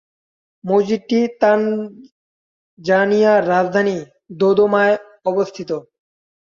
মসজিদটি তানজানিয়ার রাজধানী দোদোমায় অবস্থিত।